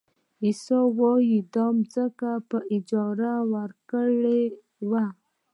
عیسی وایي دا ځمکه په اجاره ورکړې وه.